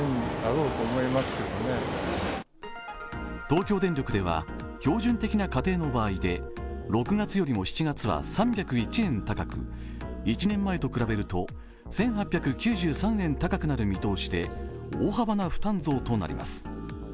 東京電力では標準的な家庭の場合で６月よりも７月は３０１円高く１年前と比べると１８９３円高くなる見通しで大幅な負担増となります。